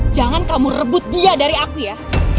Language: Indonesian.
jangan kamu rebut dia dari aku ya